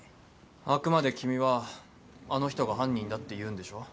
あくまで君はあの人が犯人だって言うんでしょ？